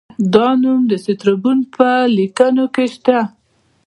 دا نوم د سترابون په لیکنو کې شته